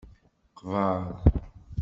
Qbeṛ.